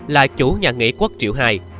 là chủ nhà nghị quốc triệu hai